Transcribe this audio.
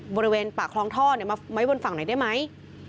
บริเวณปากคลองท่อมาไว้บนฝั่งไหนได้ไหม